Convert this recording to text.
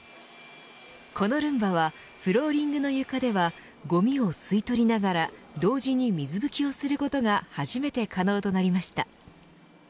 このルンバはフローリングの床ではごみを吸い取りながら同時に水拭きをすることが初めて可能となりました。